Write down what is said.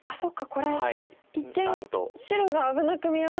これ一見白が危なく見えますが。